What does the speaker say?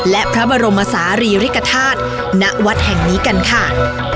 และพระบรมศาลีริกฐาตุณวัดแห่งนี้กันค่ะ